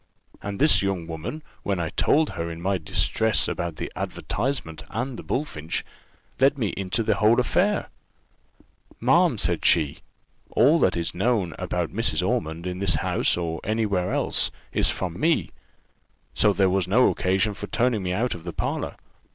And this young woman, when I told her my distress about the advertisement and the bullfinch, let me into the whole of the affair. 'Ma'am,' said she, 'all that is known about Mrs. Ormond, in this house, or any where else, is from me; so there was no occasion for turning me out of the parlour.